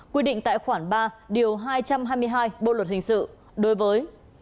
quy định tại khoản ba điều hai trăm hai mươi hai bộ luật hình sự đối với